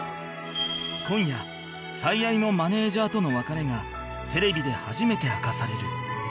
今夜最愛のマネージャーとの別れがテレビで初めて明かされる